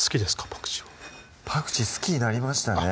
パクチーはパクチー好きになりましたね